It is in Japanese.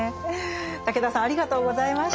武田さんありがとうございました。